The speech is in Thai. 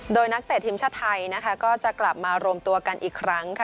โดยนักเตะทีมชาติไทยนะคะก็จะกลับมารวมตัวกันอีกครั้งค่ะ